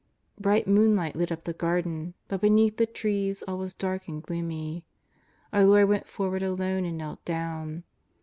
Bright moonlight lit up the Garden, but beneath the trees all was dark and gloomy. Our Lord went for ward alone and knelt down.